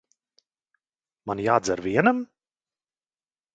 Man jādzer vienam?